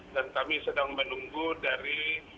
dan kami sedang menunggu dari